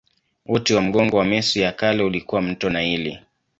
Uti wa mgongo wa Misri ya Kale ulikuwa mto Naili.